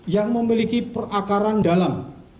yang memiliki perakaran dalam